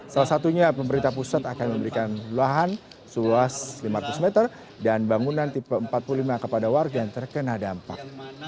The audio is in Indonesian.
salah satunya pemerintah pusat akan memberikan lahan seluas lima ratus meter dan bangunan tipe empat puluh lima kepada warga yang terkena dampak